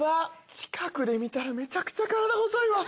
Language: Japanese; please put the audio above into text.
近くで見たらめちゃくちゃ体細いわ。